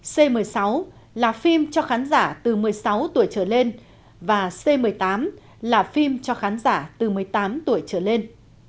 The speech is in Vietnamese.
c một mươi sáu là phim cho khán giả từ một mươi sáu tuổi trở lên và c một mươi tám là phim cho khán giả từ một mươi tám tuổi trở lên